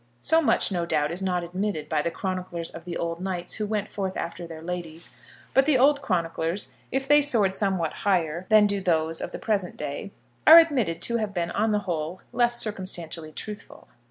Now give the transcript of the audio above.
So much no doubt is not admitted by the chroniclers of the old knights who went forth after their ladies; but the old chroniclers, if they soared somewhat higher than do those of the present day, are admitted to have been on the whole less circumstantially truthful.